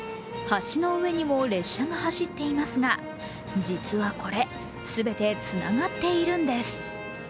橋の上にも列車が走っていますが実はこれ、全てつながっているんです。